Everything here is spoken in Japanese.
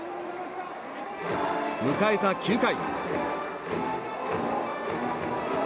迎えた９回。